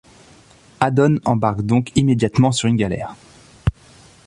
Hadon embarque donc immédiatement sur une galère.